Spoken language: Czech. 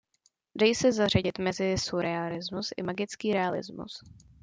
Dají se zařadit mezi surrealismus i magický realismus.